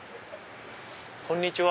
こんにちは。